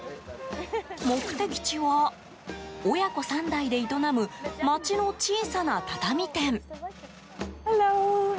目的地は、親子３代で営む街の小さな畳店。